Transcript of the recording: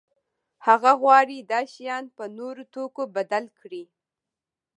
هغه غواړي دا شیان په نورو توکو بدل کړي.